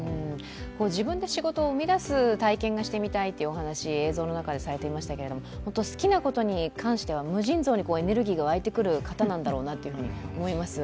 自分で仕事を生み出す体験をしてみたいと映像の中でありましたけど好きなことに関しては無尽蔵にエネルギーがわいてくる方なんだなって思います。